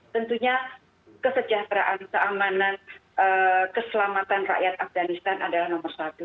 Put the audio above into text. tentunya kesejahteraan keamanan keselamatan rakyat afganistan adalah nomor satu